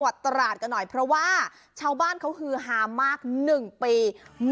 จังหวัดตราดก่อนหน่อยเพราะว่าเจ้าบ้านคือหามมาก๑ปี